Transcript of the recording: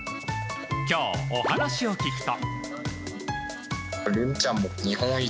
今日、お話を聞くと。